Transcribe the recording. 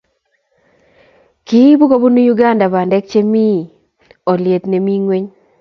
kiibuu kobunu Uganda bandek chemii olyet nemi ng'weny